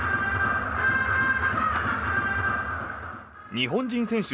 日本人選手